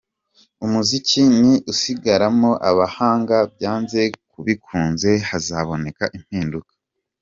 Umuziki ni usigaramo abahanga byanze bikunze hazaboneka impinduka.